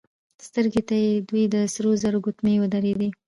سترګو ته يې دوې د سرو زرو ګوتمۍ ودرېدې.